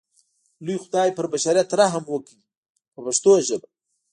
لوی خدای پر بشریت رحم وکړ په پښتو ژبه.